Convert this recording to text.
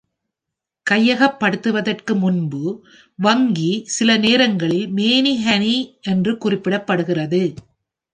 கையகப்படுத்துவதற்கு முன்பு, வங்கி சில நேரங்களில் மேனி ஹன்னி என்று குறிப்பிடப்படுகிறது.